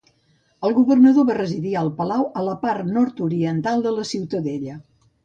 El governador va residir al palau a la part nord-oriental de la ciutadella.